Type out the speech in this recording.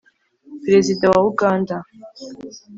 perezida wa uganda